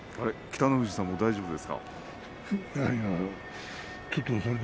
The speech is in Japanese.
北の富士さんも大丈夫ですか？